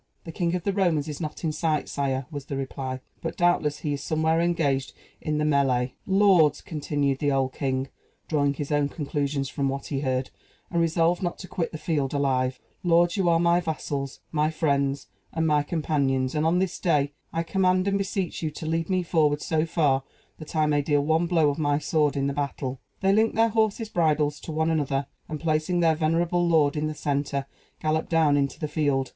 "The King of the Romans is not in sight, sire," was the reply; "but doubtless he is somewhere engaged in the mêlée." "Lords," continued the old king, drawing his own conclusions from what he heard, and resolved not to quit the field alive "Lords, you are my vassals, my friends, and my companions; and on this day, I command and beseech you to lead me forward so far that I may deal one blow of my sword in the battle." They linked their horses' bridles to one another, and placing their venerable lord in the centre, galloped down into the field.